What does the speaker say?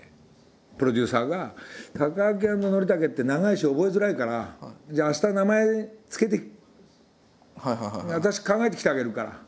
プロデューサーが「タカアキアンドノリタケって長いし覚えづらいからじゃあ明日名前付けて私考えてきてあげるから」。